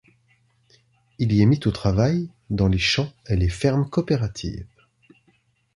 Il y est mis au travail dans les champs et les fermes coopératives.